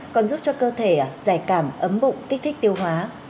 còn giúp cho cơ thể giải cảm ấm bụng kích thích tiêu hóa